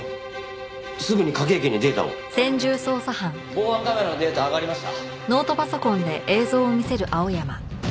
防犯カメラのデータ上がりました。